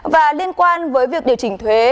và liên quan với việc điều chỉnh thuế